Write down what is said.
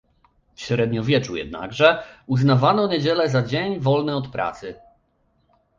W średniowieczu jednakże uznawano niedzielę za dzień wolny od pracy